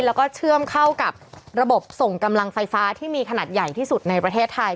แล้วก็เชื่อมเข้ากับระบบส่งกำลังไฟฟ้าที่มีขนาดใหญ่ที่สุดในประเทศไทย